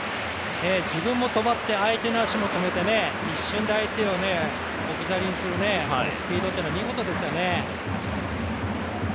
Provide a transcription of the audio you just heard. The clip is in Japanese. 自分も止まって相手の足も止めて、一瞬で相手を置き去りにするスピードというのは見事ですよね。